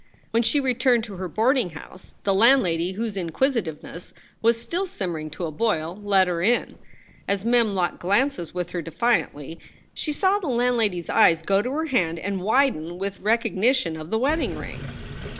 When she returned to her boarding house the landlady, whose inquisitiveness was still simmering to a boil, let her in. As Mem locked glances with her defiantly she saw the landlady s eyes go to her hand and widen with recognition of the wedding ring.